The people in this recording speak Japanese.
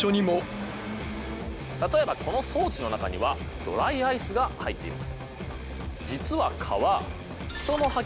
例えばこの装置の中にはドライアイスが入っています。